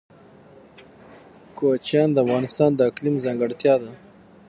کوچیان د افغانستان د اقلیم ځانګړتیا ده.